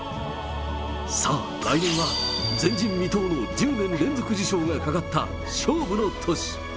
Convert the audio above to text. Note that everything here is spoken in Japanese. さあ、来年は前人未到の１０年連続受賞がかかった勝負の年。